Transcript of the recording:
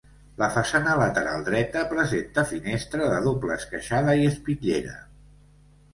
La façana lateral dreta presenta finestra de doble esqueixada i espitllera.